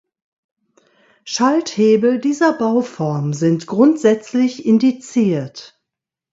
Schalthebel dieser Bauform sind grundsätzlich indiziert.